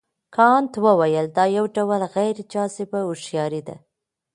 کانت وویل دا یو ډول غیر جذابه هوښیاري ده.